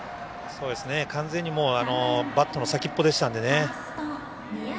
完全にバットの先っぽでしたのでね。